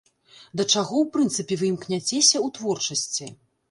Да чаго ў прынцыпе вы імкняцеся ў творчасці?